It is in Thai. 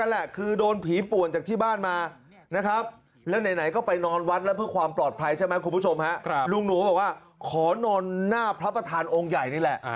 ลุงหนูก็บอกว่าขอนอนหน้าพระประธานองค์ใหญ่นี่แหละ